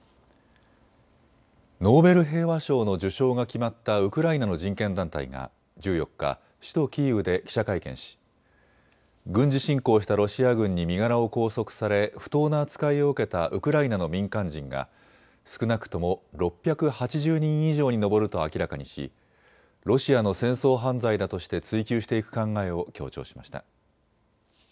ノーベル平和賞の受賞が決まったウクライナの人権団体が１４日、首都キーウで記者会見し軍事侵攻したロシア軍に身柄を拘束され不当な扱いを受けたウクライナの民間人が少なくとも６８０人以上に上ると明らかにしロシアの戦争犯罪だとして追及していく考えを強調しました。